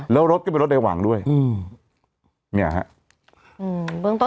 แล้วรถก็เป็นรถในหวังด้วยเนี่ยฮะ